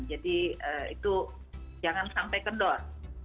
jadi itu jangan sampai kendor